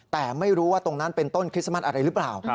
แต่ไม่รู้ว่าตรงนั้นเป็นต้นคริสต์มัสอะไรหรือเปล่า